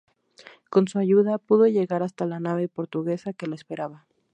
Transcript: Con su ayuda, pudo llegar hasta la nave portuguesa que la esperaba.